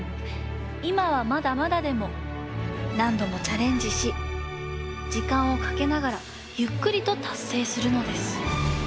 いまはまだまだでもなんどもチャレンジしじかんをかけながらゆっくりとたっせいするのです。